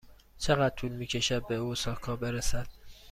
چقدر طول می کشد به اوساکا برسد؟